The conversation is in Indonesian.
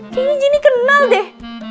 kayaknya jinny kenal deh